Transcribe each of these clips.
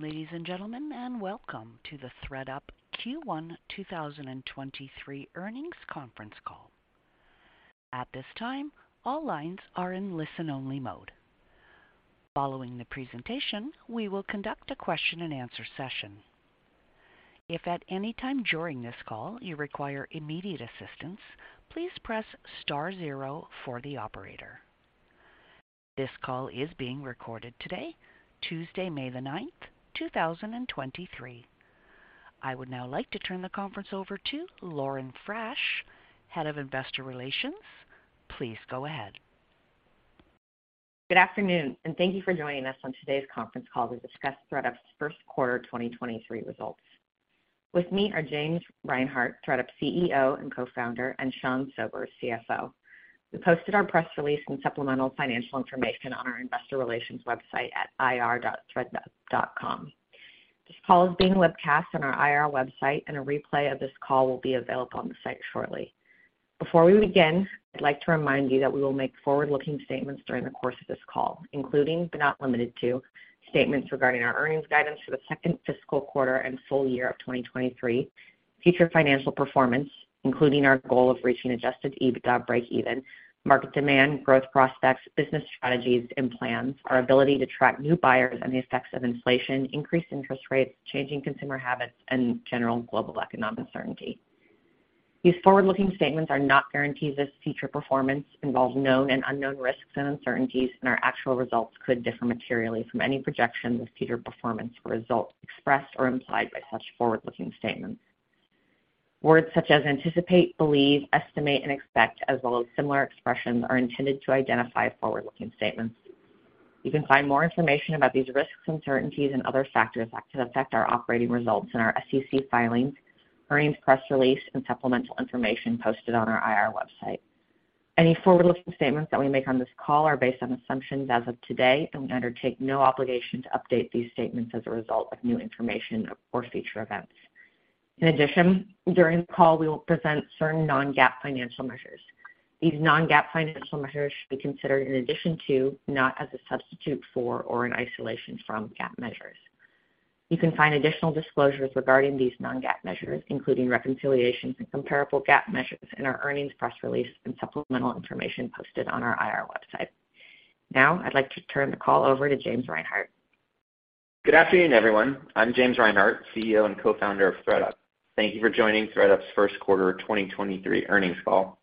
Ladies and gentlemen, welcome to the thredUP Q1 2023 Earnings Conference Call. At this time, all lines are in listen-only mode. Following the presentation, we will conduct a question-and-answer session. If at any time during this call you require immediate assistance, please press star zero for the operator. This call is being recorded today, Tuesday, May the 9th, 2023. I would now like to turn the conference over to Lauren Frasch, Head of Investor Relations. Please go ahead. Good afternoon, and thank you for joining us on today's conference call to discuss thredUP's first quarter 2023 results. With me are James Reinhart, thredUP CEO and co-founder, and Sean Sobers, CFO. We posted our press release and supplemental financial information on our investor relations website at ir.thredUP.com. This call is being webcast on our IR website, and a replay of this call will be available on the site shortly. Before we begin, I'd like to remind you that we will make forward-looking statements during the course of this call, including, but not limited to, statements regarding our earnings guidance for the second fiscal quarter and full year of 2023, future financial performance, including our goal of reaching Adjusted EBITDA breakeven, market demand, growth prospects, business strategies and plans, our ability to attract new buyers and the effects of inflation, increased interest rates, changing consumer habits, and general global economic uncertainty. These forward-looking statements are not guarantees of future performance, involve known and unknown risks and uncertainties, and our actual results could differ materially from any projection of future performance or results expressed or implied by such forward-looking statements. Words such as anticipate, believe, estimate, and expect, as well as similar expressions, are intended to identify forward-looking statements. You can find more information about these risks, uncertainties, and other factors that could affect our operating results in our SEC filings, earnings press release, and supplemental information posted on our IR website. Any forward-looking statements that we make on this call are based on assumptions as of today, and we undertake no obligation to update these statements as a result of new information or future events. In addition, during the call, we will present certain non-GAAP financial measures. These non-GAAP financial measures should be considered in addition to, not as a substitute for or in isolation from GAAP measures. You can find additional disclosures regarding these non-GAAP measures, including reconciliations and comparable GAAP measures, in our earnings press release and supplemental information posted on our IR website. Now, I'd like to turn the call over to James Reinhart. Good afternoon, everyone. I'm James Reinhart, CEO and co-founder of thredUP. Thank you for joining thredUP's first quarter 2023 earnings call.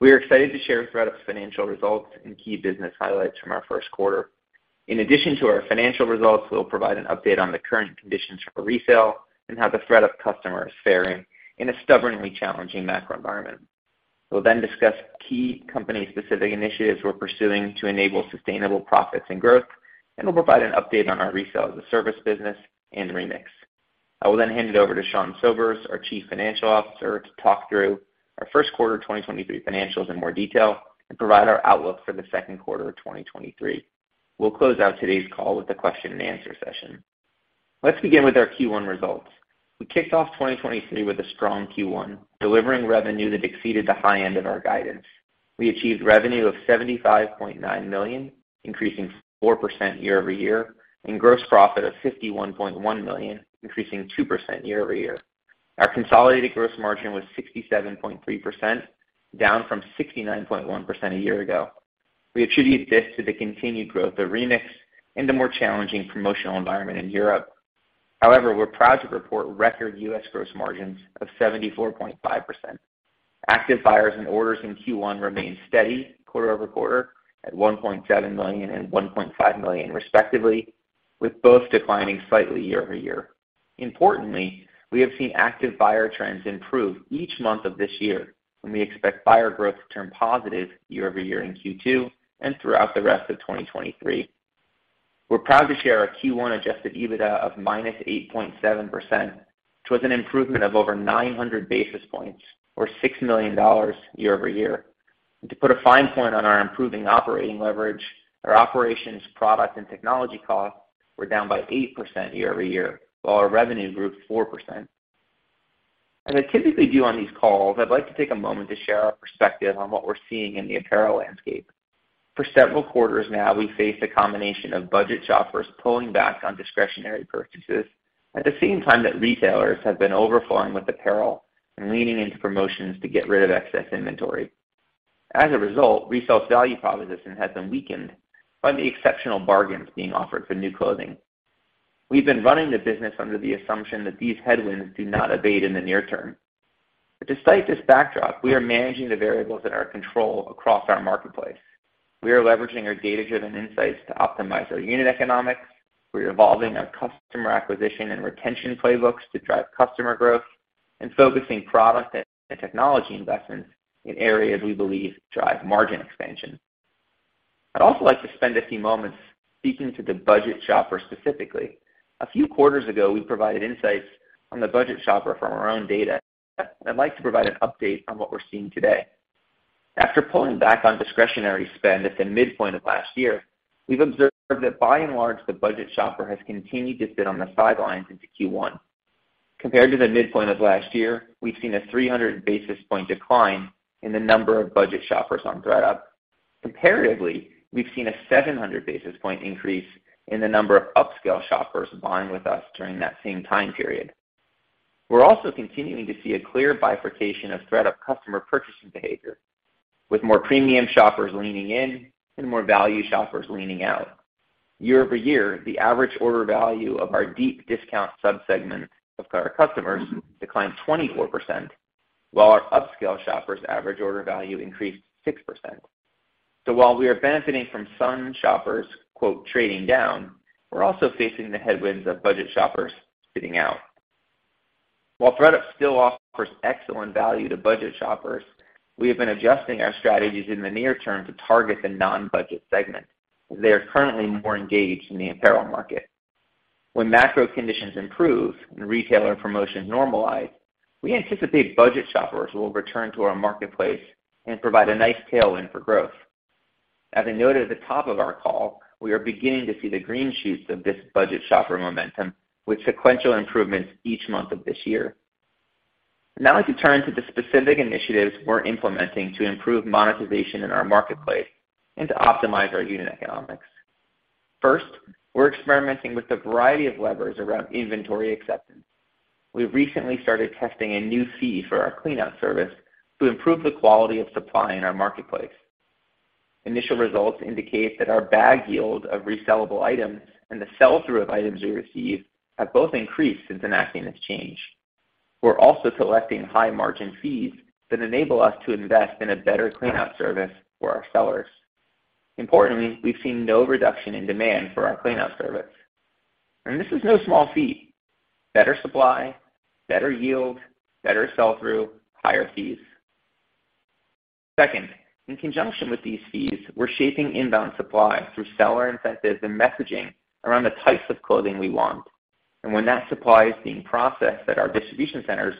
We are excited to share thredUP's financial results and key business highlights from our first quarter. In addition to our financial results, we'll provide an update on the current conditions for resale and how the thredUP customer is faring in a stubbornly challenging macro environment. We'll then discuss key company specific initiatives we're pursuing to enable sustainable profits and growth, and we'll provide an update on our Resale-as-a-Service business and Remix. I will then hand it over to Sean Sobers, our Chief Financial Officer, to talk through our first quarter 2023 financials in more detail and provide our outlook for the second quarter of 2023. We'll close out today's call with a question-and-answer session. Let's begin with our Q1 results. We kicked off 2023 with a strong Q1, delivering revenue that exceeded the high end of our guidance. We achieved revenue of $75.9 million, increasing 4% year-over-year, and gross profit of $51.1 million, increasing 2% year-over-year. Our consolidated gross margin was 67.3%, down from 69.1% a year ago. We attribute this to the continued growth of Remix and the more challenging promotional environment in Europe. We're proud to report record U.S. gross margins of 74.5%. Active buyers and orders in Q1 remained steady quarter-over-quarter at 1.7 million and 1.5 million respectively, with both declining slightly year-over-year. Importantly, we have seen active buyer trends improve each month of this year, we expect buyer growth to turn positive year-over-year in Q2 and throughout the rest of 2023. We're proud to share our Q1 Adjusted EBITDA of minus 8.7%, which was an improvement of over 900 basis points or $6 million year-over-year. To put a fine point on our improving operating leverage, our operations, product, and technology costs were down by 8% year-over-year, while our revenue grew 4%. As I typically do on these calls, I'd like to take a moment to share our perspective on what we're seeing in the apparel landscape. For several quarters now, we face a combination of budget shoppers pulling back on discretionary purchases at the same time that retailers have been overflowing with apparel and leaning into promotions to get rid of excess inventory. As a result, resale's value proposition has been weakened by the exceptional bargains being offered for new clothing. We've been running the business under the assumption that these headwinds do not abate in the near term. Despite this backdrop, we are managing the variables in our control across our marketplace. We are leveraging our data-driven insights to optimize our unit economics. We are evolving our customer acquisition and retention playbooks to drive customer growth and focusing product and technology investments in areas we believe drive margin expansion. I'd also like to spend a few moments speaking to the budget shopper specifically. A few quarters ago, we provided insights on the budget shopper from our own data. I'd like to provide an update on what we're seeing today. After pulling back on discretionary spend at the midpoint of last year, we've observed that by and large, the budget shopper has continued to sit on the sidelines into Q1. Compared to the midpoint of last year, we've seen a 300 basis point decline in the number of budget shoppers on thredUP. Comparatively, we've seen a 700 basis point increase in the number of upscale shoppers buying with us during that same time period. We're also continuing to see a clear bifurcation of thredUP customer purchasing behavior, with more premium shoppers leaning in and more value shoppers leaning out. Year-over-year, the average order value of our deep discount sub-segment of our customers declined 24%, while our upscale shoppers average order value increased 6%. While we are benefiting from some shoppers "trading down," we're also facing the headwinds of budget shoppers sitting out. While thredUP still offers excellent value to budget shoppers, we have been adjusting our strategies in the near term to target the non-budget segment, as they are currently more engaged in the apparel market. When macro conditions improve and retailer promotions normalize, we anticipate budget shoppers will return to our marketplace and provide a nice tailwind for growth. I noted at the top of our call, we are beginning to see the green shoots of this budget shopper momentum with sequential improvements each month of this year. Now I'd like to turn to the specific initiatives we're implementing to improve monetization in our marketplace and to optimize our unit economics. First, we're experimenting with a variety of levers around inventory acceptance. We recently started testing a new fee for our cleanout service to improve the quality of supply in our marketplace. Initial results indicate that our bag yield of resellable items and the sell-through of items we receive have both increased since enacting this change. We're also selecting high margin fees that enable us to invest in a better cleanout service for our sellers. Importantly, we've seen no reduction in demand for our cleanout service. This is no small feat. Better supply, better yield, better sell-through, higher fees. Second, in conjunction with these fees, we're shaping inbound supply through seller incentives and messaging around the types of clothing we want. When that supply is being processed at our distribution centers,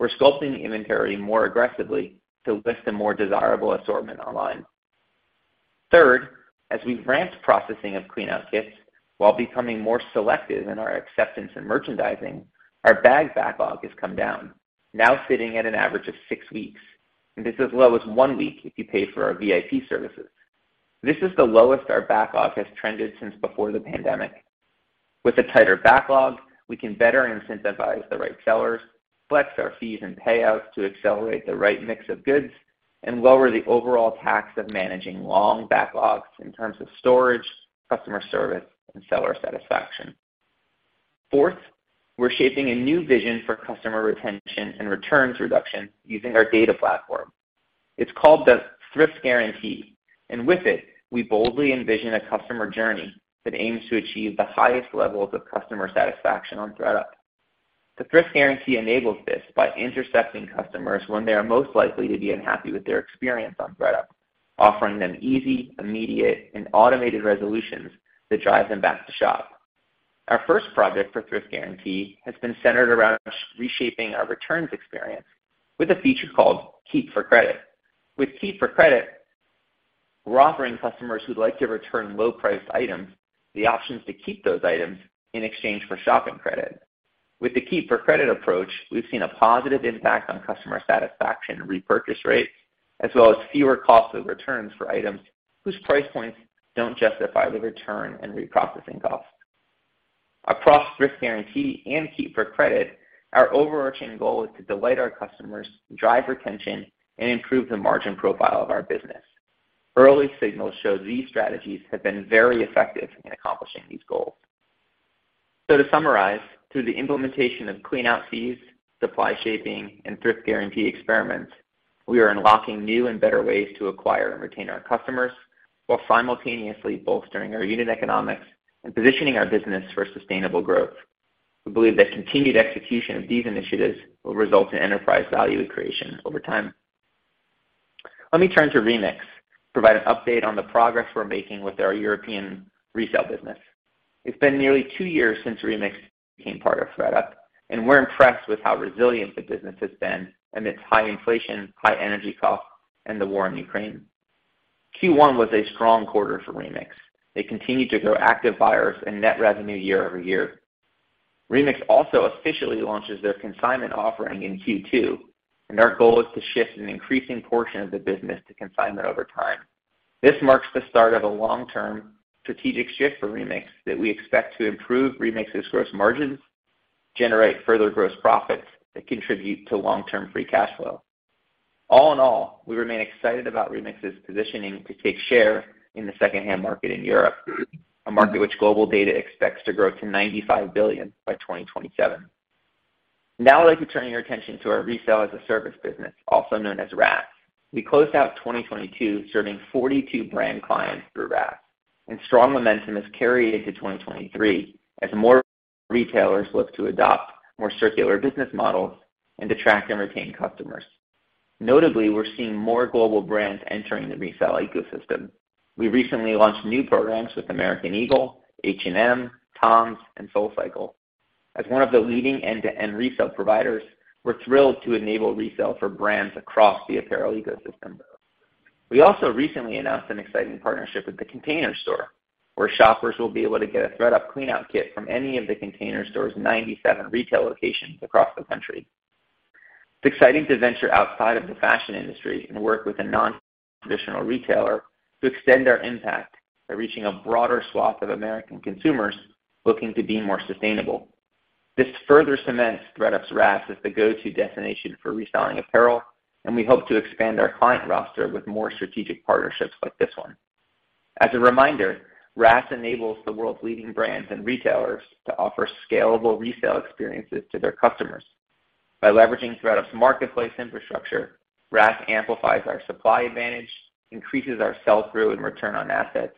we're sculpting the inventory more aggressively to list a more desirable assortment online. Third, as we ramp processing of cleanout kits while becoming more selective in our acceptance and merchandising, our bag backlog has come down, now sitting at an average of six weeks, and this as low as one week if you pay for our VIP services. This is the lowest our backlog has trended since before the pandemic. With a tighter backlog, we can better incentivize the right sellers, flex our fees and payouts to accelerate the right mix of goods, and lower the overall tax of managing long backlogs in terms of storage, customer service, and seller satisfaction. Fourth, we're shaping a new vision for customer retention and returns reduction using our data platform. It's called the Thrift Guarantee, and with it, we boldly envision a customer journey that aims to achieve the highest levels of customer satisfaction on thredUP. The Thrift Guarantee enables this by intercepting customers when they are most likely to be unhappy with their experience on thredUP, offering them easy, immediate, and automated resolutions that drive them back to shop. Our first project for Thrift Guarantee has been centered around reshaping our returns experience with a feature called Keep for Credit. With Keep for Credit, we're offering customers who'd like to return low-priced items the options to keep those items in exchange for shopping credit. With the Keep for Credit approach, we've seen a positive impact on customer satisfaction repurchase rate, as well as fewer costs of returns for items whose price points don't justify the return and reprocessing costs. Across Thrift Guarantee and Keep for Credit, our overarching goal is to delight our customers, drive retention, and improve the margin profile of our business. Early signals show these strategies have been very effective in accomplishing these goals. To summarize, through the implementation of clean out fees, supply shaping, and Thrift Guarantee experiments, we are unlocking new and better ways to acquire and retain our customers while simultaneously bolstering our unit economics and positioning our business for sustainable growth. We believe that continued execution of these initiatives will result in enterprise value creation over time. Let me turn to Remix, provide an update on the progress we're making with our European resale business. It's been nearly two years since Remix became part of thredUP, and we're impressed with how resilient the business has been amidst high inflation, high energy costs, and the war in Ukraine. Q1 was a strong quarter for Remix. They continued to grow active buyers and net revenue year-over-year. Remix also officially launches their consignment offering in Q2, and our goal is to shift an increasing portion of the business to consignment over time. This marks the start of a long-term strategic shift for Remix that we expect to improve Remix's gross margins, generate further gross profits that contribute to long-term free cash flow. All in all, we remain excited about Remix's positioning to take share in the secondhand market in Europe, a market which GlobalData expects to grow to $95 billion by 2027. Now I'd like to turn your attention to our Resale-as-a-Service business, also known as RaaS. We closed out 2022 serving 42 brand clients through RaaS. Strong momentum has carried into 2023 as more retailers look to adopt more circular business models and attract and retain customers. Notably, we're seeing more global brands entering the resale ecosystem. We recently launched new programs with American Eagle, H&M, TOMS, and SoulCycle. As one of the leading end-to-end resale providers, we're thrilled to enable resale for brands across the apparel ecosystem. We also recently announced an exciting partnership with The Container Store, where shoppers will be able to get a thredUP cleanout kit from any of The Container Store's 97 retail locations across the country. It's exciting to venture outside of the fashion industry and work with a nontraditional retailer to extend our impact by reaching a broader swath of American consumers looking to be more sustainable. This further cements thredUP's RaaS as the go-to destination for reselling apparel. We hope to expand our client roster with more strategic partnerships like this one. As a reminder, RaaS enables the world's leading brands and retailers to offer scalable resale experiences to their customers. By leveraging thredUP's marketplace infrastructure, RaaS amplifies our supply advantage, increases our sell-through and return on assets,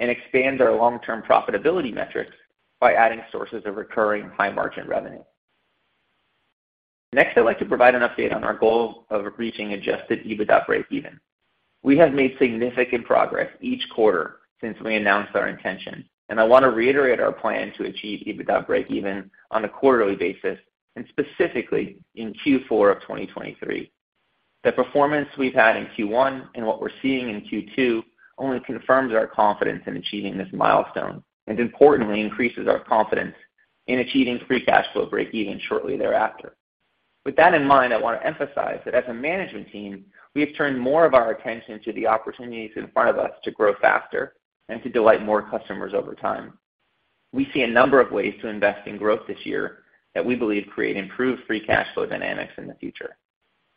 and expands our long-term profitability metrics by adding sources of recurring high margin revenue. Next, I'd like to provide an update on our goal of reaching Adjusted EBITDA breakeven. We have made significant progress each quarter since we announced our intention. I want to reiterate our plan to achieve EBITDA breakeven on a quarterly basis, and specifically in Q4 of 2023. The performance we've had in Q1 and what we're seeing in Q2 only confirms our confidence in achieving this milestone. Importantly, increases our confidence in achieving free cash flow breakeven shortly thereafter. With that in mind, I want to emphasize that as a management team, we have turned more of our attention to the opportunities in front of us to grow faster and to delight more customers over time. We see a number of ways to invest in growth this year that we believe create improved free cash flow dynamics in the future.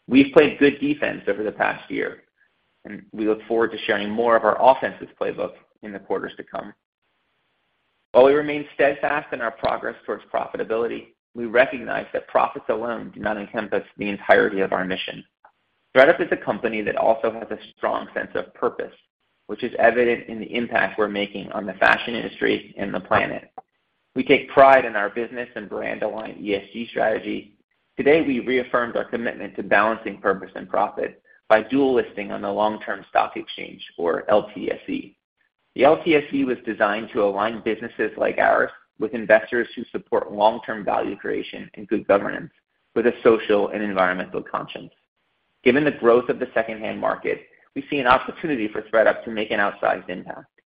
We've played good defense over the past year. We look forward to sharing more of our offensive playbook in the quarters to come. While we remain steadfast in our progress towards profitability, we recognize that profits alone do not encompass the entirety of our mission. thredUP is a company that also has a strong sense of purpose, which is evident in the impact we're making on the fashion industry and the planet. We take pride in our business and brand aligned ESG strategy. Today, we reaffirmed our commitment to balancing purpose and profit by dual listing on the Long-Term Stock Exchange, or LTSE. The LTSE was designed to align businesses like ours with investors who support long-term value creation and good governance with a social and environmental conscience. Given the growth of the secondhand market, we see an opportunity for thredUP to make an outsized impact.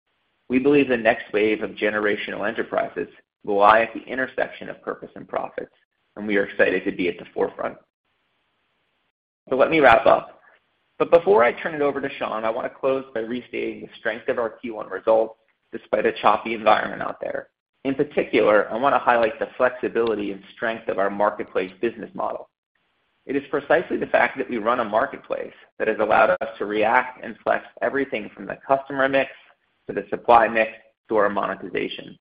We believe the next wave of generational enterprises will lie at the intersection of purpose and profits, and we are excited to be at the forefront. Let me wrap up. Before I turn it over to Sean, I want to close by restating the strength of our Q1 results despite a choppy environment out there. In particular, I want to highlight the flexibility and strength of our marketplace business model. It is precisely the fact that we run a marketplace that has allowed us to react and flex everything from the customer mix to the supply mix to our monetization.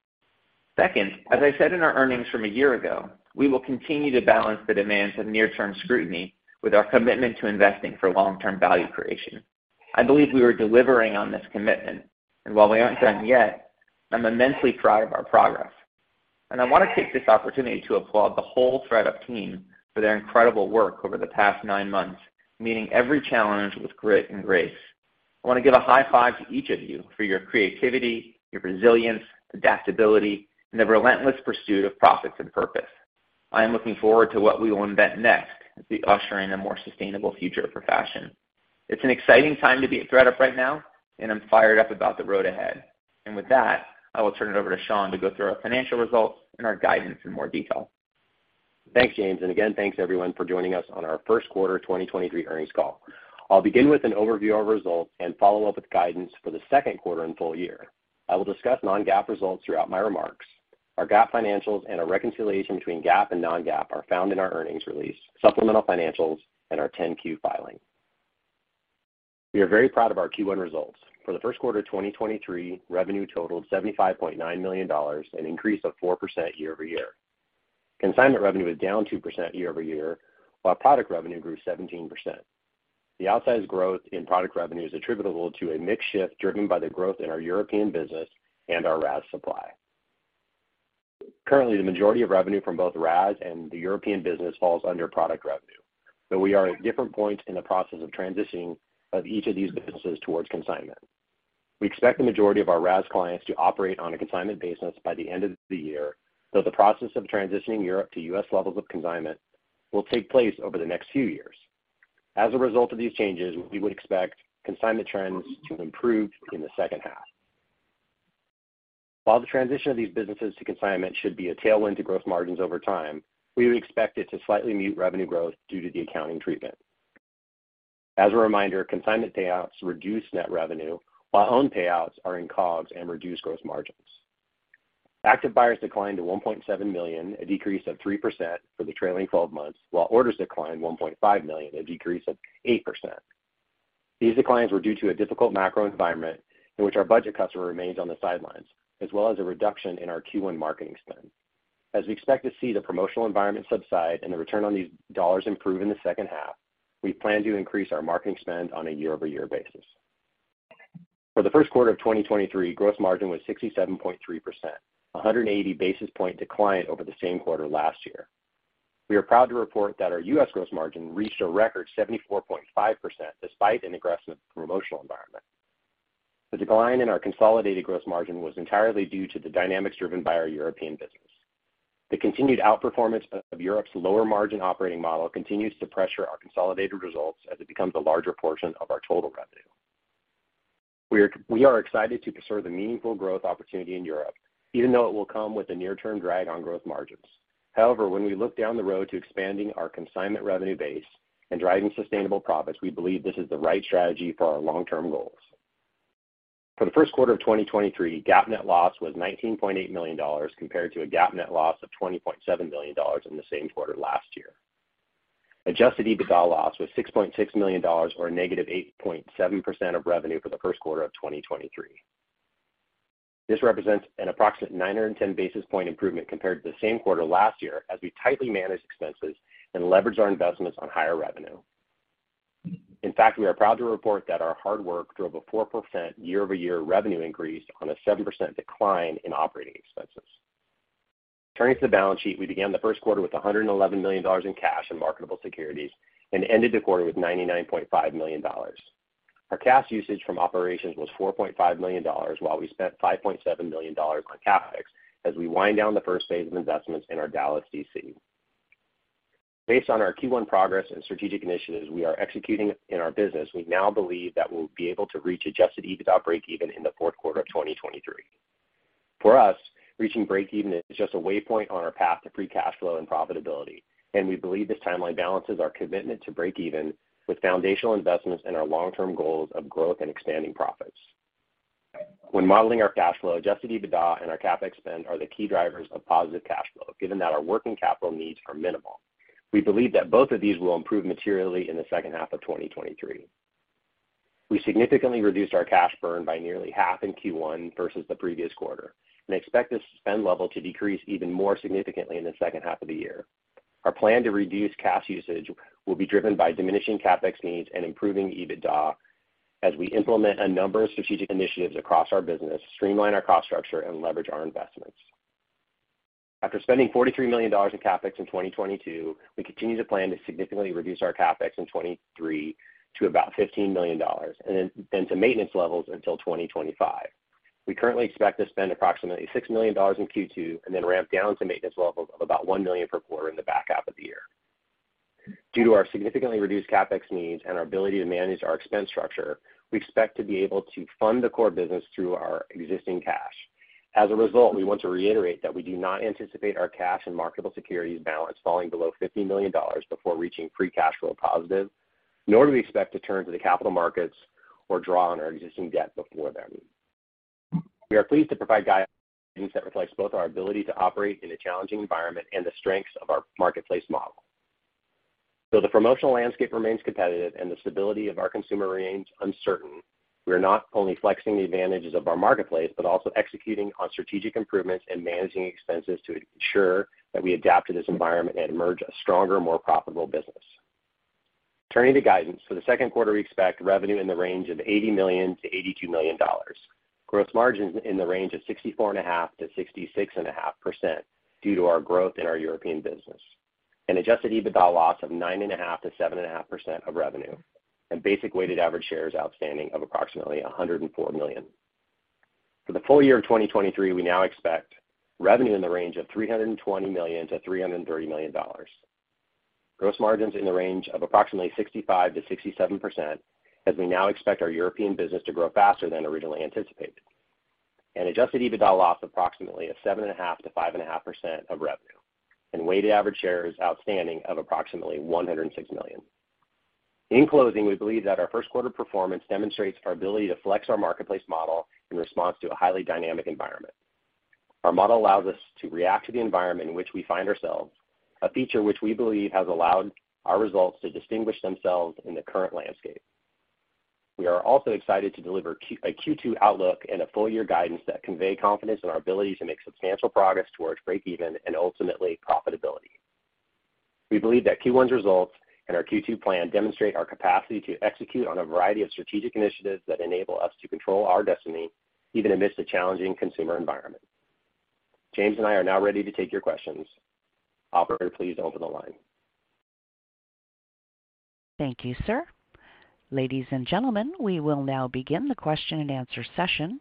Second, as I said in our earnings from a year ago, we will continue to balance the demands of near-term scrutiny with our commitment to investing for long-term value creation. I believe we were delivering on this commitment, and while we aren't done yet, I'm immensely proud of our progress. I want to take this opportunity to applaud the whole thredUP team for their incredible work over the past nine months, meeting every challenge with grit and grace. I want to give a high five to each of you for your creativity, your resilience, adaptability, and the relentless pursuit of profits and purpose. I am looking forward to what we will invent next as we usher in a more sustainable future for fashion. It's an exciting time to be at thredUP right now, and I'm fired up about the road ahead. With that, I will turn it over to Sean to go through our financial results and our guidance in more detail. Thanks, James. Again, thanks everyone for joining us on our first quarter 2023 earnings call. I'll begin with an overview of results and follow up with guidance for the second quarter and full year. I will discuss non-GAAP results throughout my remarks. Our GAAP financials and a reconciliation between GAAP and non-GAAP are found in our earnings release, supplemental financials, and our 10-Q filing. We are very proud of our Q1 results. For the first quarter of 2023, revenue totaled $75.9 million, an increase of 4% year-over-year. Consignment revenue is down 2% year-over-year, while product revenue grew 17%. The outsized growth in product revenue is attributable to a mix shift driven by the growth in our European business and our RaaS supply. Currently, the majority of revenue from both RaaS and the European business falls under product revenue, though we are at different points in the process of transitioning of each of these businesses towards consignment. We expect the majority of our RaaS clients to operate on a consignment basis by the end of the year, though the process of transitioning Europe to U.S. levels of consignment will take place over the next few years. As a result of these changes, we would expect consignment trends to improve in the second half. While the transition of these businesses to consignment should be a tailwind to growth margins over time, we would expect it to slightly mute revenue growth due to the accounting treatment. As a reminder, consignment payouts reduce net revenue, while own payouts are in COGS and reduce gross margins. Active buyers declined to $1.7 million, a decrease of 3% for the trailing 12 months, while orders declined $1.5 million, a decrease of 8%. These declines were due to a difficult macro environment in which our budget customer remains on the sidelines, as well as a reduction in our Q1 marketing spend. We expect to see the promotional environment subside and the return on these dollars improve in the second half, we plan to increase our marketing spend on a year-over-year basis. For the first quarter of 2023, gross margin was 67.3%, a 180 basis point decline over the same quarter last year. We are proud to report that our U.S. gross margin reached a record 74.5% despite an aggressive promotional environment. The decline in our consolidated gross margin was entirely due to the dynamics driven by our European business. The continued outperformance of Europe's lower margin operating model continues to pressure our consolidated results as it becomes a larger portion of our total revenue. We are excited to pursue the meaningful growth opportunity in Europe, even though it will come with a near-term drag on growth margins. However, when we look down the road to expanding our consignment revenue base and driving sustainable profits, we believe this is the right strategy for our long-term goals. For the first quarter of 2023, GAAP net loss was $19.8 million compared to a GAAP net loss of $20.7 million in the same quarter last year. Adjusted EBITDA loss was $6.6 million or negative 8.7% of revenue for the first quarter of 2023. This represents an approximate 910 basis point improvement compared to the same quarter last year as we tightly managed expenses and leveraged our investments on higher revenue. We are proud to report that our hard work drove a 4% year-over-year revenue increase on a 7% decline in operating expenses. Turning to the balance sheet, we began the first quarter with $111 million in cash and marketable securities and ended the quarter with $99.5 million. Our cash usage from operations was $4.5 million, while we spent $5.7 million on CapEx as we wind down the first phase of investments in our Dallas DC. Based on our Q1 progress and strategic initiatives we are executing in our business, we now believe that we'll be able to reach Adjusted EBITDA breakeven in the fourth quarter of 2023. For us, reaching breakeven is just a waypoint on our path to free cash flow and profitability. We believe this timeline balances our commitment to breakeven with foundational investments in our long-term goals of growth and expanding profits. When modeling our cash flow, Adjusted EBITDA and our CapEx spend are the key drivers of positive cash flow, given that our working capital needs are minimal. We believe that both of these will improve materially in the second half of 2023. We significantly reduced our cash burn by nearly half in Q1 versus the previous quarter and expect the spend level to decrease even more significantly in the second half of the year. Our plan to reduce cash usage will be driven by diminishing CapEx needs and improving EBITDA as we implement a number of strategic initiatives across our business, streamline our cost structure, and leverage our investments. After spending $43 million in CapEx in 2022, we continue to plan to significantly reduce our CapEx in 2023 to about $15 million and then to maintenance levels until 2025. We currently expect to spend approximately $6 million in Q2 and then ramp down to maintenance levels of about $1 million per quarter in the back half of the year. Due to our significantly reduced CapEx needs and our ability to manage our expense structure, we expect to be able to fund the core business through our existing cash. As a result, we want to reiterate that we do not anticipate our cash and marketable securities balance falling below $50 million before reaching free cash flow positive, nor do we expect to turn to the capital markets or draw on our existing debt before then. We are pleased to provide guidance that reflects both our ability to operate in a challenging environment and the strengths of our marketplace model. The promotional landscape remains competitive and the stability of our consumer remains uncertain, we are not only flexing the advantages of our marketplace, but also executing on strategic improvements and managing expenses to ensure that we adapt to this environment and emerge a stronger, more profitable business. Turning to guidance, for the second quarter, we expect revenue in the range of $80 million-$82 million, gross margins in the range of 64.5%-66.5% due to our growth in our European business, an Adjusted EBITDA loss of 9.5%-7.5% of revenue, and basic weighted average shares outstanding of approximately 104 million. For the full year of 2023, we now expect revenue in the range of $320 million-$330 million, gross margins in the range of approximately 65%-67% as we now expect our European business to grow faster than originally anticipated, an Adjusted EBITDA loss approximately of 7.5%-5.5% of revenue, and weighted average shares outstanding of approximately 106 million. In closing, we believe that our first quarter performance demonstrates our ability to flex our marketplace model in response to a highly dynamic environment. Our model allows us to react to the environment in which we find ourselves, a feature which we believe has allowed our results to distinguish themselves in the current landscape. We are also excited to deliver a Q2 outlook and a full year guidance that convey confidence in our ability to make substantial progress towards breakeven and ultimately profitability. We believe that Q1's results and our Q2 plan demonstrate our capacity to execute on a variety of strategic initiatives that enable us to control our destiny, even amidst a challenging consumer environment. James and I are now ready to take your questions. Operator, please open the line. Thank you, sir. Ladies and gentlemen, we will now begin the question-and-answer session.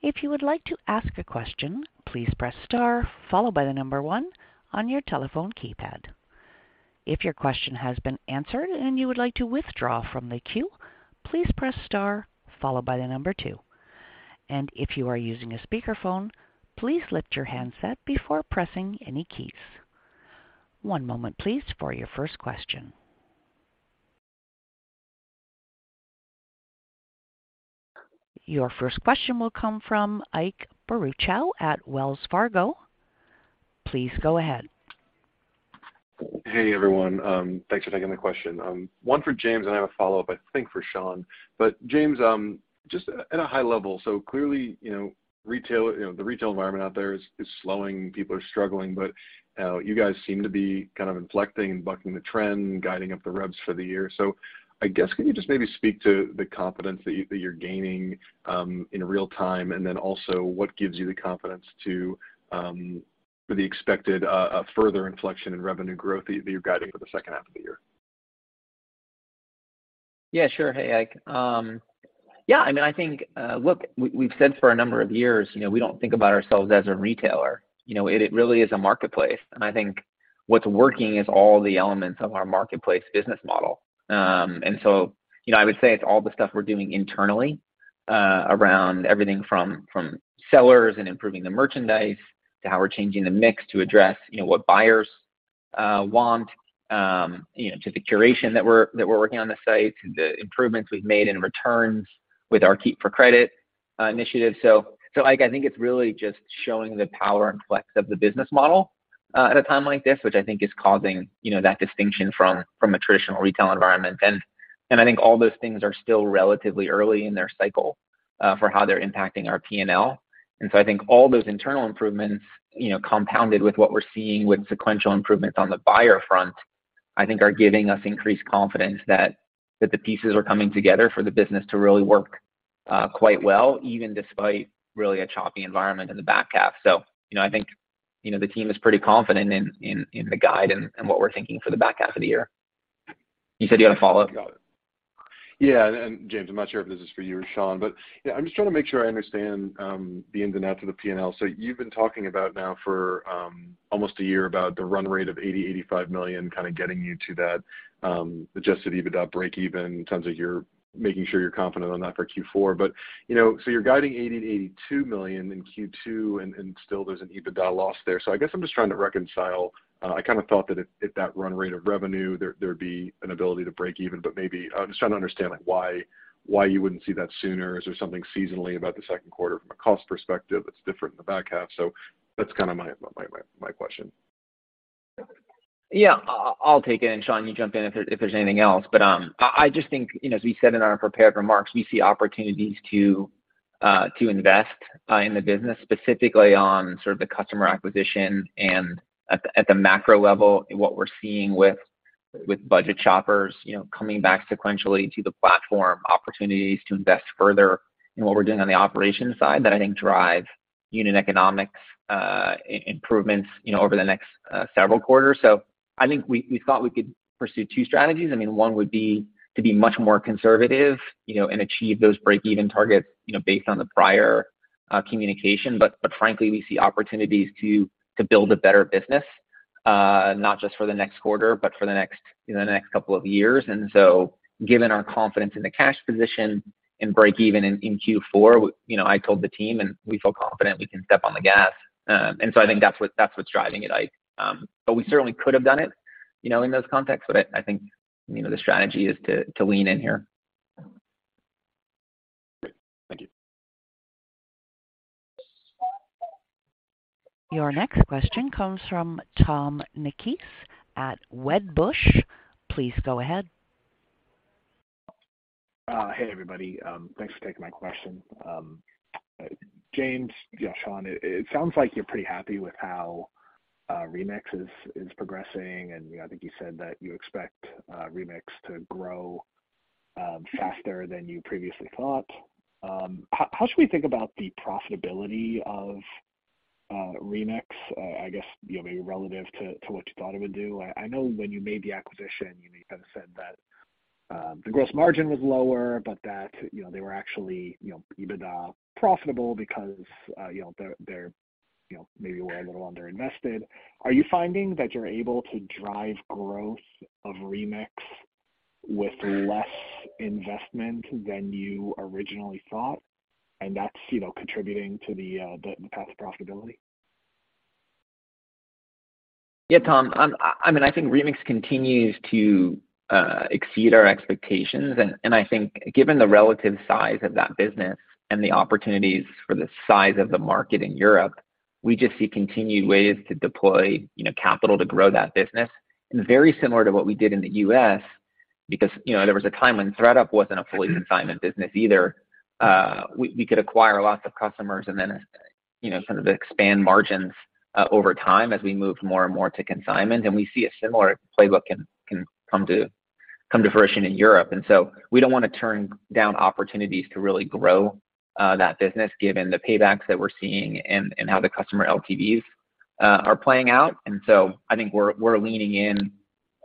If you would like to ask a question, please press star followed by 1 on your telephone keypad. If your question has been answered and you would like to withdraw from the queue, please press star followed by 2. If you are using a speakerphone, please lift your handset before pressing any keys. One moment please for your first question. Your first question will come from Ike Boruchow at Wells Fargo. Please go ahead. Hey, everyone. Thanks for taking the question. One for James, and I have a follow-up, I think, for Sean. James, just at a high level, so clearly, you know, retail, you know, the retail environment out there is slowing. People are struggling, but you guys seem to be kind of inflecting and bucking the trend, guiding up the revs for the year. I guess, can you just maybe speak to the confidence that you're gaining in real time? Then also what gives you the confidence to for the expected further inflection in revenue growth that you're guiding for the second half of the year? Yeah, sure. Hey, Ike. I mean, I think, we've said for a number of years, you know, we don't think about ourselves as a retailer. You know, it really is a marketplace, and I think what's working is all the elements of our marketplace business model. I would say it's all the stuff we're doing internally, around everything from sellers and improving the merchandise to how we're changing the mix to address, you know, what buyers want, to the curation that we're working on the site, to the improvements we've made in returns with our Keep for Credit initiative. Ike, I think it's really just showing the power and flex of the business model at a time like this, which I think is causing, you know, that distinction from a traditional retail environment. I think all those things are still relatively early in their cycle for how they're impacting our P&L. I think all those internal improvements, you know, compounded with what we're seeing with sequential improvements on the buyer front, I think are giving us increased confidence that the pieces are coming together for the business to really work quite well, even despite really a choppy environment in the back half. You know, I think, you know, the team is pretty confident in the guide and what we're thinking for the back half of the year. You said you had a follow-up? Yeah. James, I'm not sure if this is for you or Sean, but, you know, I'm just trying to make sure I understand the ins and outs of the P&L. You've been talking about now for almost a year about the run rate of $80 million-$85 million kinda getting you to that Adjusted EBITDA breakeven in terms of you're making sure you're confident on that for Q4. You know, you're guiding $80 million-$82 million in Q2, and still there's an EBITDA loss there. I guess I'm just trying to reconcile, I kinda thought that at that run rate of revenue, there'd be an ability to break even, but maybe... I'm just trying to understand, like, why you wouldn't see that sooner. Is there something seasonally about the second quarter from a cost perspective that's different in the back half? That's kind of my question. I'll take it, and Sean, you jump in if there's anything else. I just think, you know, as we said in our prepared remarks, we see opportunities to invest in the business, specifically on sort of the customer acquisition and at the macro level, what we're seeing with budget shoppers, you know, coming back sequentially to the platform, opportunities to invest further in what we're doing on the operations side that I think drive unit economic improvements, you know, over the next several quarters. I think we thought we could pursue two strategies. I mean, one would be to be much more conservative, you know, and achieve those breakeven targets, you know, based on the prior communication. Frankly, we see opportunities to build a better business, not just for the next quarter, but for the next, you know, couple of years. Given our confidence in the cash position and breakeven in Q4, you know, I told the team, and we feel confident we can step on the gas. I think that's what's driving it, Ike. We certainly could have done it, you know, in this context, but I think, you know, the strategy is to lean in here. Great. Thank you. Your next question comes from Tom Nikic at Wedbush. Please go ahead. Hey, everybody. Thanks for taking my question. James, yeah, Sean, it sounds like you're pretty happy with how Remix is progressing, you know, I think you said that you expect Remix to grow faster than you previously thought. How should we think about the profitability of Remix, I guess, you know, maybe relative to what you thought it would do? I know when you made the acquisition, you know, you kind of said that the gross margin was lower that, you know, they were actually, you know, EBITDA profitable because, you know, they're, you know, maybe were a little underinvested. Are you finding that you're able to drive growth of Remix with less investment than you originally thought, and that's, you know, contributing to the path to profitability? Yeah, Tom. I mean, I think Remix continues to exceed our expectations. I think given the relative size of that business and the opportunities for the size of the market in Europe, we just see continued ways to deploy, you know, capital to grow that business, and very similar to what we did in the U.S., because, you know, there was a time when thredUP wasn't a fully consignment business either. We could acquire lots of customers and then, you know, sort of expand margins over time as we moved more and more to consignment, and we see a similar playbook can come to fruition in Europe. So we don't wanna turn down opportunities to really grow that business given the paybacks that we're seeing and how the customer LTVs are playing out. I think we're leaning in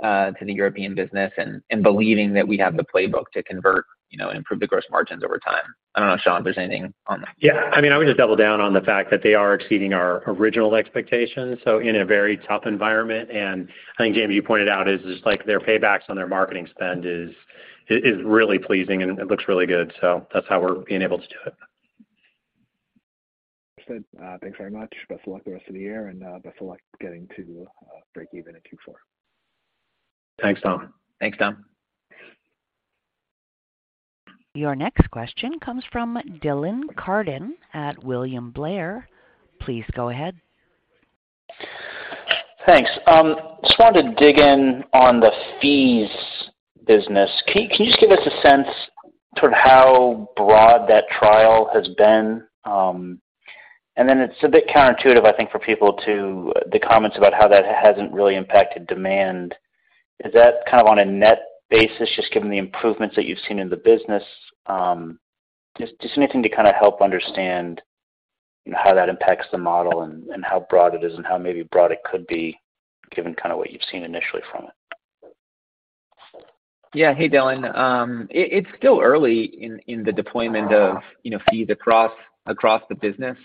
to the European business and believing that we have the playbook to convert, you know, and improve the gross margins over time. I don't know, Sean, if there's anything on that. Yeah. I mean, I would just double down on the fact that they are exceeding our original expectations, so in a very tough environment. I think, James, you pointed out is just, like, their paybacks on their marketing spend is really pleasing, and it looks really good. That's how we're being able to do it. Understood. Thanks very much. Best of luck the rest of the year, and, best of luck getting to, breakeven in Q4. Thanks, Tom. Thanks, Tom. Your next question comes from Dylan Carden at William Blair. Please go ahead. Thanks. Just wanted to dig in on the fees business. Can you just give us a sense sort of how broad that trial has been? It's a bit counterintuitive, I think, for people to the comments about how that hasn't really impacted demand. Is that kind of on a net basis, just given the improvements that you've seen in the business? Just anything to kinda help understand and how that impacts the model, how broad it is, and how maybe broad it could be given kind of what you've seen initially from it. Yeah. Hey, Dylan. It's still early in the deployment of, you know, fees across the business.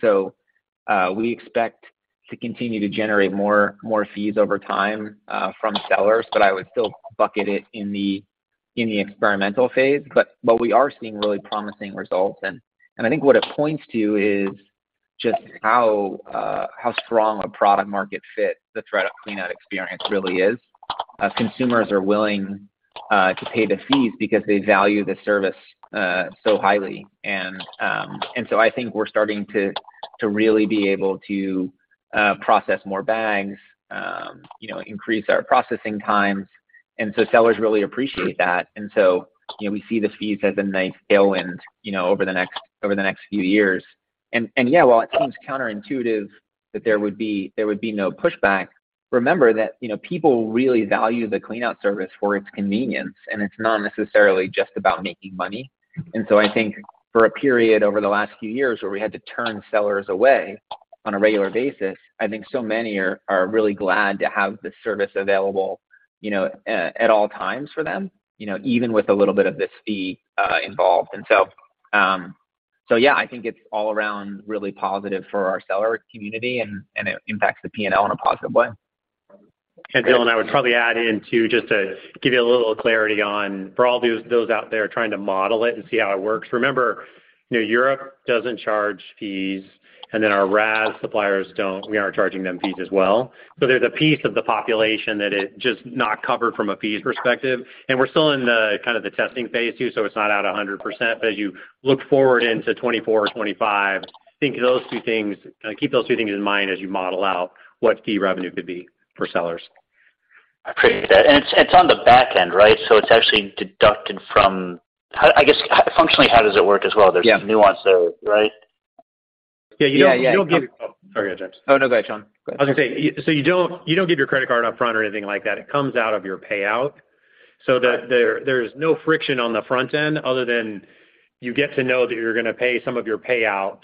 We expect to continue to generate more fees over time from sellers, but I would still bucket it in the experimental phase. We are seeing really promising results. I think what it points to is just how strong a product market fit the thredUP cleanout experience really is. Consumers are willing to pay the fees because they value the service so highly. I think we're starting to really be able to process more bags, you know, increase our processing times, sellers really appreciate that. You know, we see the fees as a nice tailwind over the next few years. Yeah, while it seems counterintuitive that there would be no pushback, remember that, you know, people really value the cleanout service for its convenience, and it's not necessarily just about making money. I think for a period over the last few years where we had to turn sellers away on a regular basis, I think so many are really glad to have the service available, you know, at all times for them, you know, even with a little bit of this fee involved. So yeah, I think it's all around really positive for our seller community and it impacts the P&L in a positive way. Dylan, I would probably add in too, just to give you a little clarity on for all those out there trying to model it and see how it works. You know, Europe doesn't charge fees. Our RaaS suppliers don't. We aren't charging them fees as well. There's a piece of the population that is just not covered from a fees perspective. We're still in the kind of the testing phase too, so it's not at 100%. As you look forward into 2024, 2025, keep those two things in mind as you model out what fee revenue could be for sellers. I appreciate that. It's on the back end, right? It's actually deducted from... I guess, functionally, how does it work as well? Yeah. There's some nuance there, right? Yeah. You don't- Yeah. Yeah.... you don't give... Oh, sorry. Go ahead, James. No. Go ahead, Sean. Go ahead. I was gonna say, so you don't, you don't give your credit card up front or anything like that. It comes out of your payout so that there's no friction on the front end other than you get to know that you're gonna pay some of your payout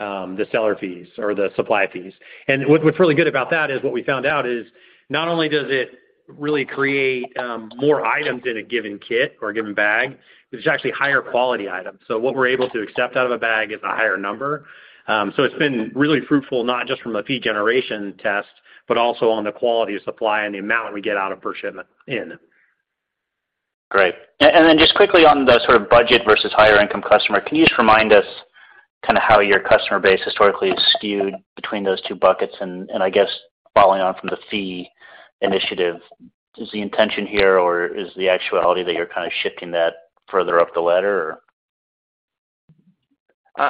for the seller fees or the supply fees. What's really good about that is what we found out is not only does it really create more items in a given kit or a given bag, but it's actually higher quality items. What we're able to accept out of a bag is a higher number. It's been really fruitful, not just from a fee generation test, but also on the quality of supply and the amount we get out of per shipment in. Great. Then just quickly on the sort of budget versus higher income customer, can you just remind us kind of how your customer base historically is skewed between those two buckets? I guess following on from the fee initiative, is the intention here or is the actuality that you're kind of shifting that further up the ladder or?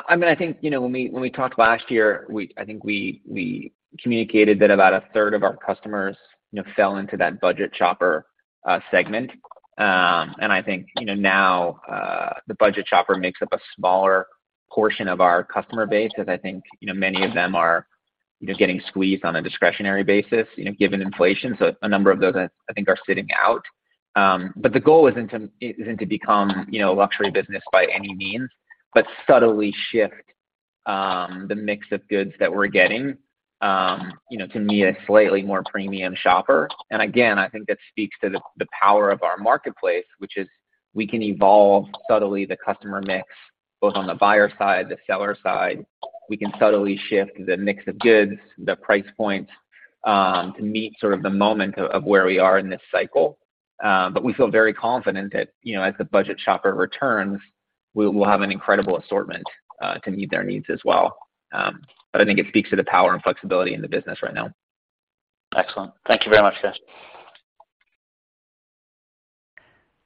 I mean, I think, you know, when we, when we talked last year, I think we communicated that about a third of our customers, you know, fell into that budget shopper segment. I think, you know, now, the budget shopper makes up a smaller portion of our customer base as I think, you know, many of them are, you know, getting squeezed on a discretionary basis, you know, given inflation. A number of those I think are sitting out. The goal isn't to become, you know, a luxury business by any means, but subtly shift the mix of goods that we're getting, you know, to meet a slightly more premium shopper. Again, I think that speaks to the power of our marketplace, which is we can evolve subtly the customer mix, both on the buyer side, the seller side. We can subtly shift the mix of goods, the price points, to meet sort of the moment of where we are in this cycle. We feel very confident that, you know, as the budget shopper returns, we'll have an incredible assortment, to meet their needs as well. I think it speaks to the power and flexibility in the business right now. Excellent. Thank you very much, guys.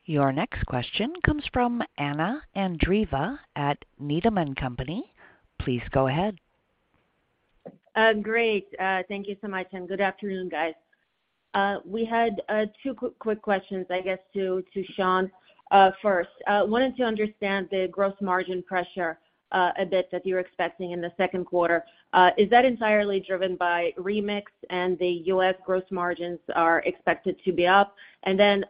Your next question comes from Anna Andreeva at Needham & Company. Please go ahead. Great. Thank you so much, and good afternoon, guys. We had two quick questions, I guess, to Sean first. Wanted to understand the gross margin pressure a bit that you're expecting in the second quarter. Is that entirely driven by Remix and the U.S. gross margins are expected to be up?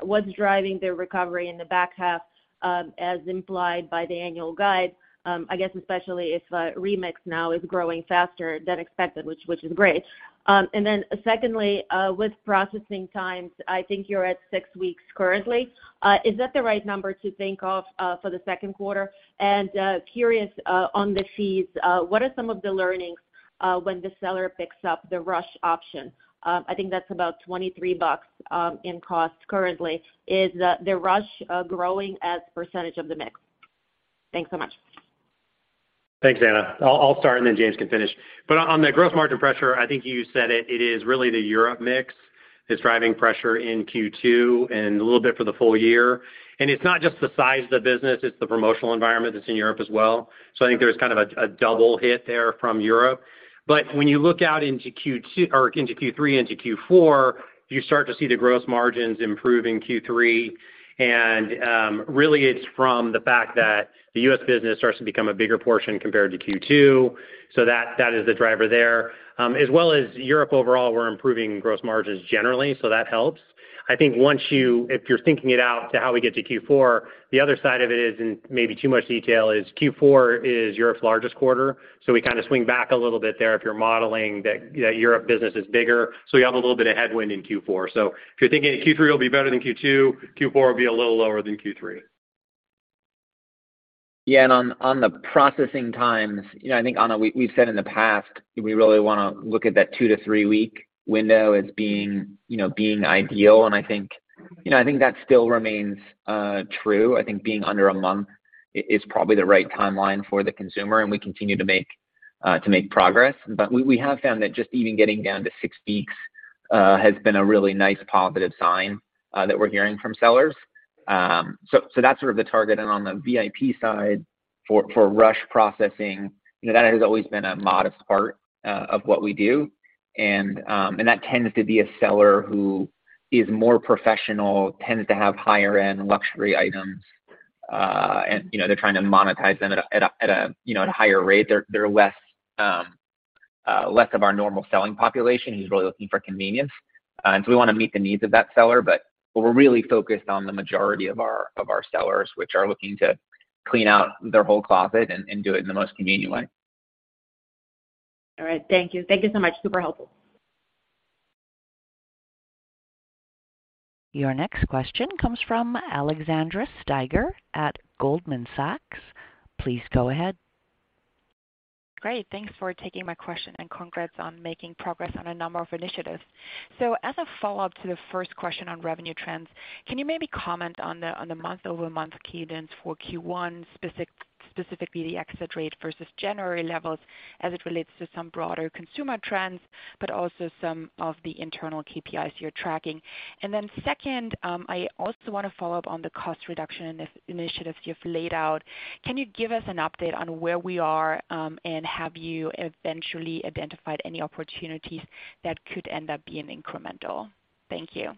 What's driving the recovery in the back half, as implied by the annual guide? I guess especially if Remix now is growing faster than expected, which is great. Secondly, with processing times, I think you're at six weeks currently. Is that the right number to think of for the second quarter? Curious on the fees, what are some of the learnings when the seller picks up the rush option? I think that's about $23 in cost currently. Is the RaaS growing as percent of the mix? Thanks so much. Thanks, Anna. I'll start. James can finish. On the gross margin pressure, I think you said it is really the Europe mix that's driving pressure in Q2 and a little bit for the full year. It's not just the size of the business, it's the promotional environment that's in Europe as well. I think there's kind of a double hit there from Europe. When you look out into Q3 into Q4, you start to see the gross margins improve in Q3. Really it's from the fact that the U.S. business starts to become a bigger portion compared to Q2, so that is the driver there. As well as Europe overall, we're improving gross margins generally, so that helps. I think once you, if you're thinking it out to how we get to Q4, the other side of it is, and maybe too much detail, Q4 is Europe's largest quarter, so we kind of swing back a little bit there if you're modeling that Europe business is bigger. You have a little bit of headwind in Q4. If you're thinking Q3 will be better than Q2, Q4 will be a little lower than Q3. On the processing times, you know, I think, Anna, we've said in the past, we really want to look at that 2-3-week window as being, you know, being ideal, and I think, you know, I think that still remains true. I think being under a month is probably the right timeline for the consumer, and we continue to make progress. We have found that just even getting down to six weeks has been a really nice positive sign that we're hearing from sellers. So that's sort of the target. On the VIP side, for rush processing, you know, that has always been a modest part of what we do. That tends to be a seller who is more professional, tends to have higher-end luxury items, and, you know, they're trying to monetize them at a, you know, at a higher rate. They're less of our normal selling population who's really looking for convenience. We wanna meet the needs of that seller, but we're really focused on the majority of our sellers, which are looking to clean out their whole closet and do it in the most convenient way. All right. Thank you. Thank you so much. Super helpful. Your next question comes from Alexandra Steiger at Goldman Sachs. Please go ahead. Great. Thanks for taking my question, congrats on making progress on a number of initiatives. As a follow-up to the first question on revenue trends, can you maybe comment on the month-over-month cadence for Q1, specifically the exit rate versus January levels as it relates to some broader consumer trends, but also some of the internal KPIs you're tracking? Second, I also wanna follow up on the cost reduction initiatives you've laid out. Can you give us an update on where we are, and have you eventually identified any opportunities that could end up being incremental? Thank you.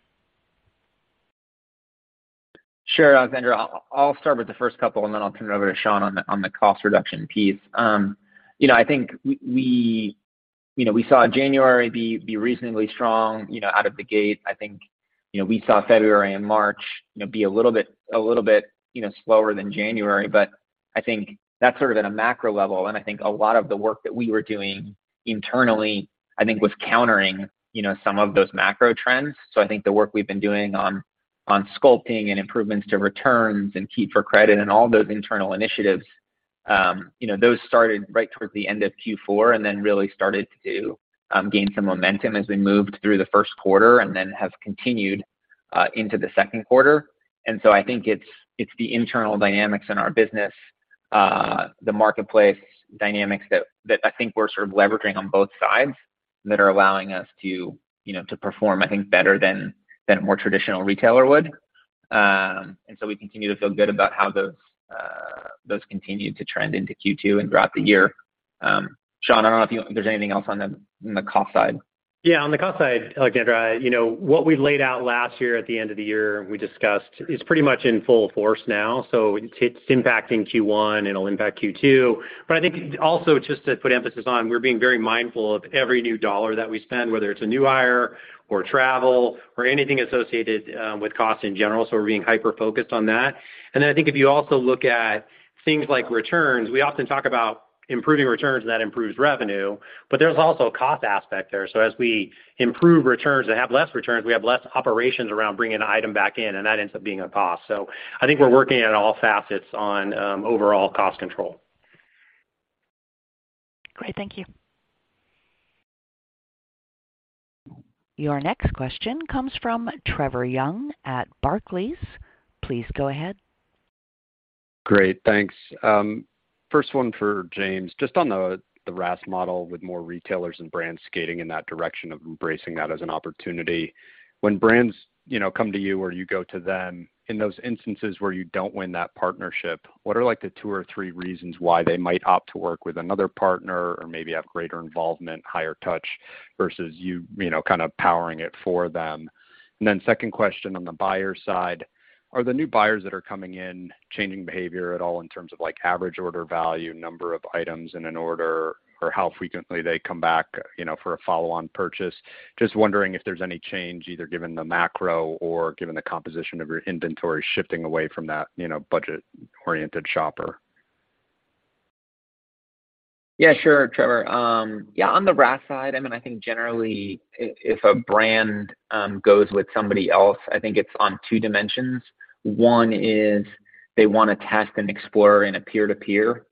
Sure, Alexandra. I'll start with the first couple, and then I'll turn it over to Sean on the, on the cost reduction piece. You know, I think we, you know, we saw January be reasonably strong, you know, out of the gate. I think, you know, we saw February and March, you know, be a little bit, you know, slower than January. I think that's sort of at a macro level, and I think a lot of the work that we were doing internally, I think, was countering, you know, some of those macro trends. I think the work we've been doing on sculpting and improvements to returns and Keep for Credit and all those internal initiatives, you know, those started right towards the end of Q4 and then really started to gain some momentum as we moved through the first quarter and then have continued into the second quarter. I think it's the internal dynamics in our business, the marketplace dynamics that I think we're sort of leveraging on both sides that are allowing us to, you know, to perform, I think, better than a more traditional retailer would. We continue to feel good about how those continue to trend into Q2 and throughout the year. Sean, I don't know if there's anything else on the cost side. Yeah. On the cost side, Alexandra, you know, what we laid out last year at the end of the year, we discussed is pretty much in full force now. It's impacting Q1, it'll impact Q2. I think also just to put emphasis on, we're being very mindful of every new dollar that we spend, whether it's a new hire or travel or anything associated with cost in general. We're being hyper-focused on that. I think if you also look at things like returns, we often talk about improving returns and that improves revenue, but there's also a cost aspect there. As we improve returns and have less returns, we have less operations around bringing an item back in, and that ends up being a cost. I think we're working on all facets on overall cost control. Great. Thank you. Your next question comes from Trevor Young at Barclays. Please go ahead. Great. Thanks. First one for James, just on the RaaS model with more retailers and brands skating in that direction of embracing that as an opportunity. When brands, you know, come to you or you go to them, in those instances where you don't win that partnership, what are like the two or three reasons why they might opt to work with another partner or maybe have greater involvement, higher touch versus you know, kind of powering it for them? Second question on the buyer side, are the new buyers that are coming in changing behavior at all in terms of, like, average order value, number of items in an order, or how frequently they come back, you know, for a follow-on purchase? Just wondering if there's any change, either given the macro or given the composition of your inventory shifting away from that, you know, budget-oriented shopper. Sure, Trevor. On the RaaS side, I mean, I think generally if a brand goes with somebody else, I think it's on two dimensions. One is they wanna test and explore in a peer-to-peer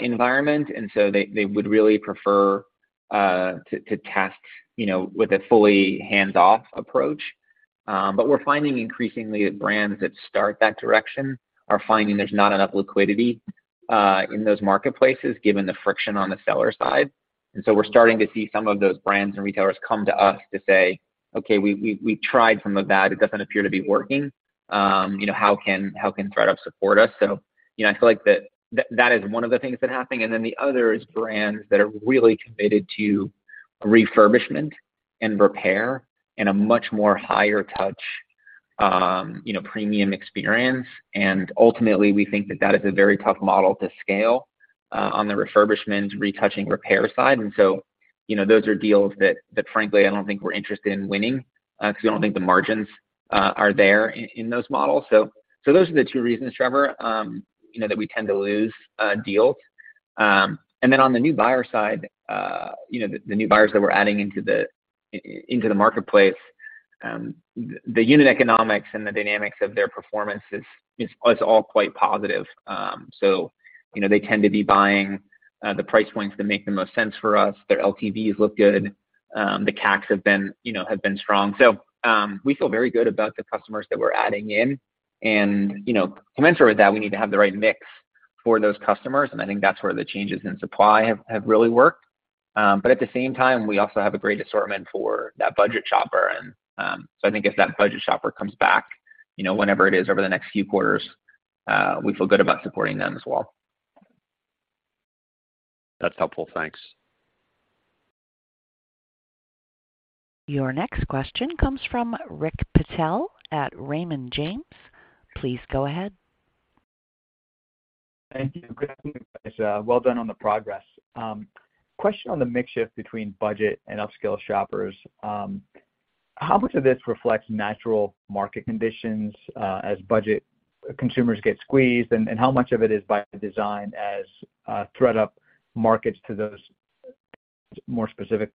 environment, and so they would really prefer to test, you know, with a fully hands-off approach. We're finding increasingly that brands that start that direction are finding there's not enough liquidity in those marketplaces given the friction on the seller side. We're starting to see some of those brands and retailers come to us to say, "Okay, we tried from a VAT. It doesn't appear to be working. You know, how can thredUP support us?" You know, I feel like that is one of the things that happened. The other is brands that are really committed to refurbishment and repair in a much more higher touch, you know, premium experience, and ultimately we think that is a very tough model to scale on the refurbishments, retouching, repair side. You know, those are deals that frankly, I don't think we're interested in winning because we don't think the margins are there in those models. So those are the two reasons, Trevor, you know, that we tend to lose deals. On the new buyer side, you know, the new buyers that we're adding into the marketplace, the unit economics and the dynamics of their performance is all quite positive. You know, they tend to be buying the price points that make the most sense for us. Their LTVs look good. The CACs have been, you know, strong. We feel very good about the customers that we're adding in. You know, commensurate with that, we need to have the right mix for those customers, and I think that's where the changes in supply have really worked. At the same time, we also have a great assortment for that budget shopper. I think if that budget shopper comes back, you know, whenever it is over the next few quarters, we feel good about supporting them as well. That's helpful. Thanks. Your next question comes from Rick Patel at Raymond James. Please go ahead. Thank you. Good afternoon, guys. Well done on the progress. Question on the mix shift between budget and upscale shoppers. How much of this reflects natural market conditions, as budget consumers get squeezed, and how much of it is by design as thredUP markets to those more specific?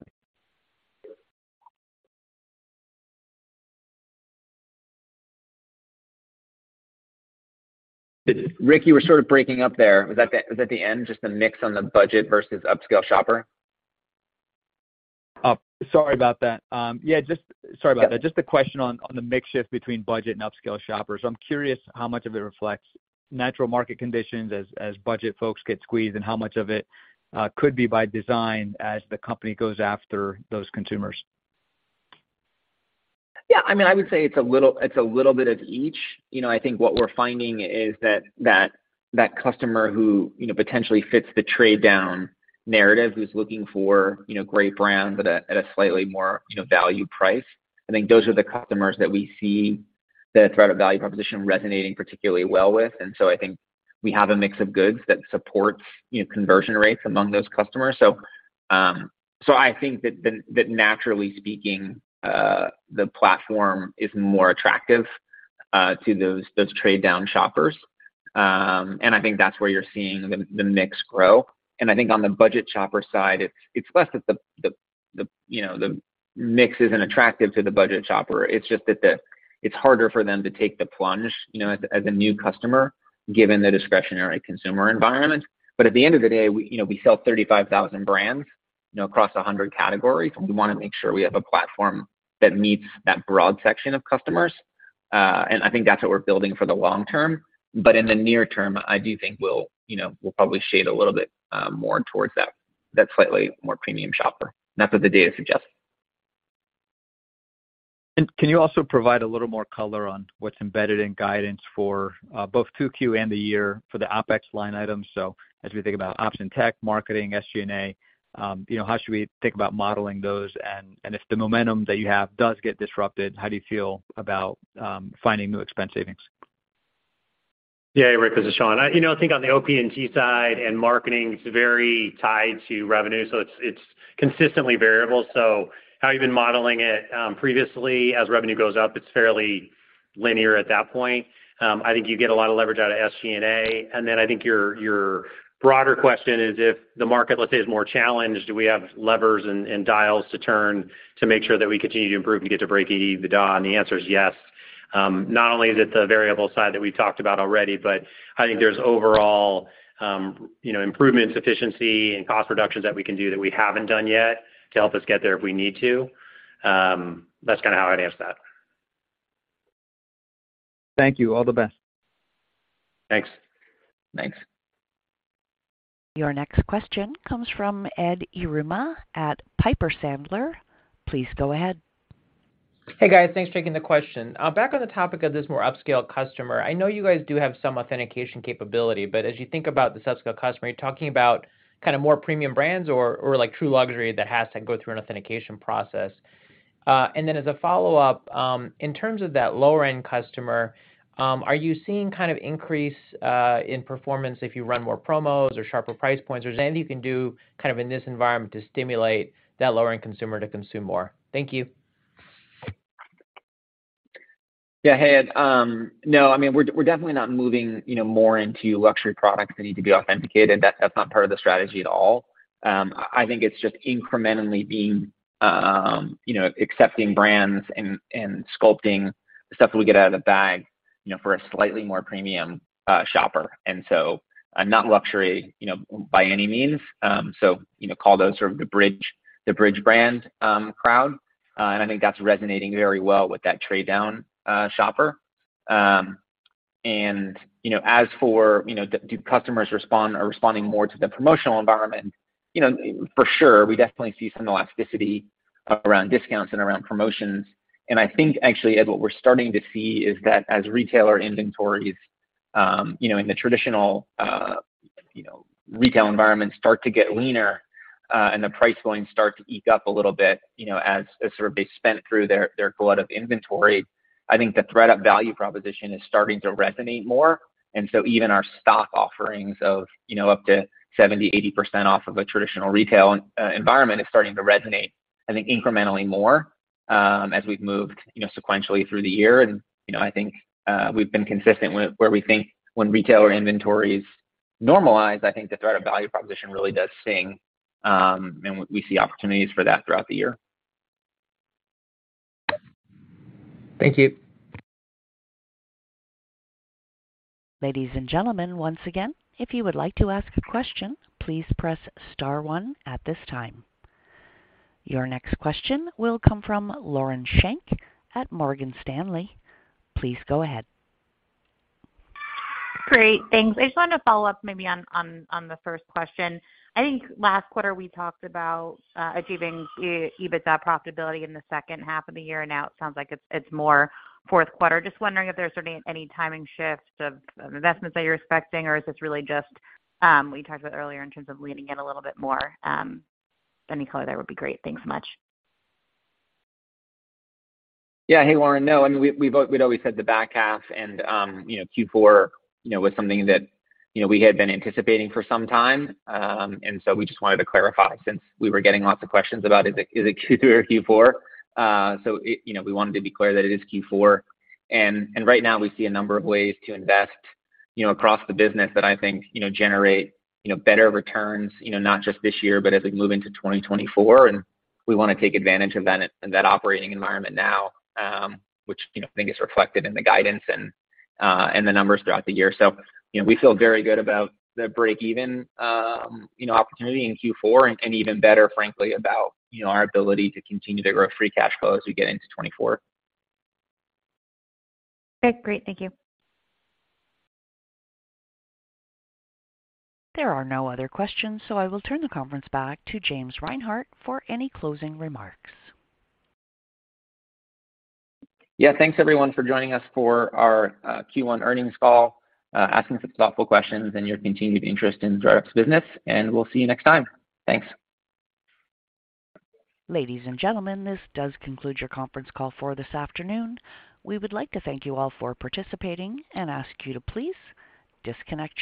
Rick, you were sort of breaking up there. Was that the, was that the end, just the mix on the budget versus upscale shopper? Sorry about that. Just a question on the mix shift between budget and upscale shoppers. I'm curious how much of it reflects natural market conditions as budget folks get squeezed, and how much of it could be by design as the company goes after those consumers. I mean, I would say it's a little bit of each. You know, I think what we're finding is that customer who, you know, potentially fits the trade down narrative, who's looking for, you know, great brands at a slightly more, you know, value price, I think those are the customers that we see the thredUP value proposition resonating particularly well with. I think we have a mix of goods that supports, you know, conversion rates among those customers. I think that naturally speaking, the platform is more attractive to those trade down shoppers. I think that's where you're seeing the mix grow. I think on the budget shopper side, it's less that the, you know, the mix isn't attractive to the budget shopper. It's just that it's harder for them to take the plunge, you know, as a new customer given the discretionary consumer environment. At the end of the day, we, you know, we sell 35,000 brands, you know, across 100 categories. We wanna make sure we have a platform that meets that broad section of customers. I think that's what we're building for the long term. In the near term, I do think we'll, you know, we'll probably shade a little bit more towards that slightly more premium shopper. That's what the data suggests. Can you also provide a little more color on what's embedded in guidance for Q2 and the year for the OpEx line items? As we think about ops and tech, marketing, SG&A, you know, how should we think about modeling those? If the momentum that you have does get disrupted, how do you feel about finding new expense savings? Yeah, Rick, this is Sean. You know, I think on the OPG side and marketing, it's very tied to revenue, so it's consistently variable. How you've been modeling it previously as revenue goes up, it's fairly linear at that point. I think you get a lot of leverage out of SG&A. I think your broader question is if the market, let's say, is more challenged, do we have levers and dials to turn to make sure that we continue to improve and get to break even, and the answer is yes. Not only is it the variable side that we've talked about already, but I think there's overall, you know, improvements, efficiency, and cost reductions that we can do that we haven't done yet to help us get there if we need to. That's kinda how I'd answer that. Thank you. All the best. Thanks. Thanks. Your next question comes from Ed Yruma at Piper Sandler. Please go ahead. Hey, guys. Thanks for taking the question. Back on the topic of this more upscale customer, I know you guys do have some authentication capability, but as you think about this upscale customer, are you talking about kind of more premium brands or like true luxury that has to go through an authentication process? Then as a follow-up, in terms of that lower end customer, are you seeing kind of increase in performance if you run more promos or sharper price points, or is there anything you can do kind of in this environment to stimulate that lower end consumer to consume more? Thank you. Yeah. Hey, Ed. No, I mean, we're definitely not moving, you know, more into luxury products that need to be authenticated. That's not part of the strategy at all. I think it's just incrementally being, you know, accepting brands and sculpting the stuff that we get out of the bag, you know, for a slightly more premium shopper. Not luxury, you know, by any means. So, you know, call those sort of the bridge, the bridge brand crowd. I think that's resonating very well with that trade down shopper. You know, as for, you know, do customers respond or responding more to the promotional environment, you know, for sure, we definitely see some elasticity around discounts and around promotions. I think actually, Ed, what we're starting to see is that as retailer inventories, you know, in the traditional, you know, retail environments start to get leaner, and the price going start to eke up a little bit, you know, as sort of they spent through their glut of inventory. I think the thredUP value proposition is starting to resonate more. So even our stock offerings of, you know, up to 70%, 80% off of a traditional retail environment is starting to resonate, I think, incrementally more, as we've moved, you know, sequentially through the year. I think we've been consistent with where we think when retailer inventories normalize, I think the thredUP value proposition really does sing, and we see opportunities for that throughout the year. Thank you. Ladies and gentlemen, once again, if you would like to ask a question, please press star 1 at this time. Your next question will come from Lauren Schenk at Morgan Stanley. Please go ahead. Great. Thanks. I just wanted to follow up maybe on the first question. I think last quarter we talked about achieving EBITDA profitability in the second half of the year, and now it sounds like it's more fourth quarter. Just wondering if there's sort of any timing shifts of investments that you're expecting or is this really just what you talked about earlier in terms of leaning in a little bit more? Any color there would be great. Thanks so much. Yeah. Hey, Lauren. I mean, we'd always said the back half, you know, Q4, you know, was something that, you know, we had been anticipating for some time. We just wanted to clarify since we were getting lots of questions about is it Q3 or Q4? You know, we wanted to be clear that it is Q4. Right now we see a number of ways to invest, you know, across the business that I think, you know, generate, you know, better returns, you know, not just this year, but as we move into 2024, we wanna take advantage of that in that operating environment now, which, you know, I think is reflected in the guidance and the numbers throughout the year. You know, we feel very good about the break even, you know, opportunity in Q4 and even better, frankly, about, you know, our ability to continue to grow free cash flow as we get into 2024. Okay, great. Thank you. There are no other questions, so I will turn the conference back to James Reinhart for any closing remarks. Thanks everyone for joining us for our Q1 earnings call, asking some thoughtful questions and your continued interest in thredUP's business. We'll see you next time. Thanks. Ladies and gentlemen, this does conclude your conference call for this afternoon. We would like to thank you all for participating and ask you to please disconnect.